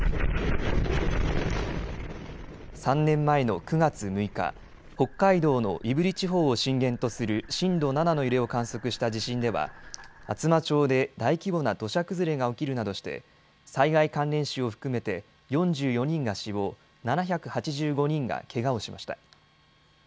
３年前の９月６日、北海道の胆振地方を震源とする震度７の揺れを観測した地震では厚真町で大規模な土砂崩れが起きるなどして災害関連死を含めて４４人が死亡、７８５人がけがをしました。